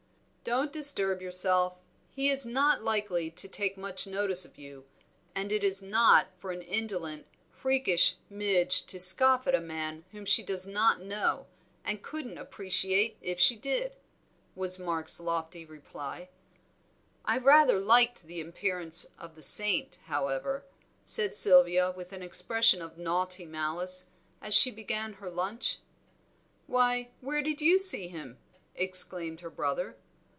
"Don't disturb yourself; he is not likely to take much notice of you; and it is not for an indolent, freakish midge to scoff at a man whom she does not know, and couldn't appreciate if she did," was Mark's lofty reply. "I rather liked the appearance of the saint, however," said Sylvia, with an expression of naughty malice, as she began her lunch. "Why, where did you see him!" exclaimed her brother.